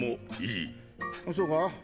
そうか？